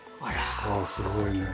ああすごいね。